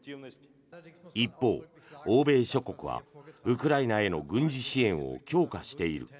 一方、欧米諸国はウクライナへの軍事支援を強化している。